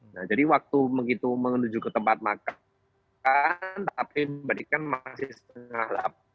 nah jadi waktu begitu menuju ke tempat makan tapi memberikan masih setengah delapan